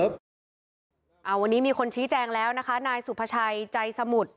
วันนี้มีคนชี้แจงแล้วนะคะนายสุภาชัยใจสมุทร